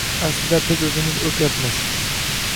Aslida biz o`zimiz o`tyapmiz…